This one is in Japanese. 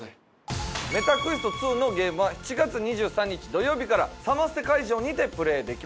ＭｅｔａＱｕｅｓｔ２のゲームは７月２３日土曜日からサマステ会場にてプレーできます。